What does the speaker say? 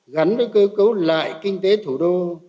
gắn với cơ cấu lại kinh tế thủ đô